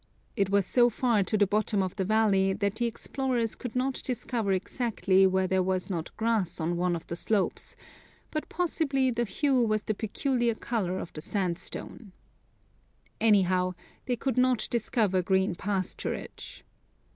It was so far to the bottom of the valley that the explorers could not discover exactly whether there was not grass on one of the slopes; but possibly the hue was the peculiar colour of the sandstone. Anyhow, they could not discover green pasturage.